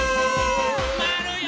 まわるよ。